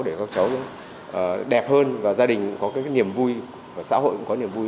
để các cháu đẹp hơn và gia đình có niềm vui xã hội cũng có niềm vui